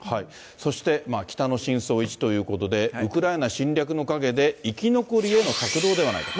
そして、北の深層１ということで、ウクライナ侵略の陰で生き残りへの策動ではないかと。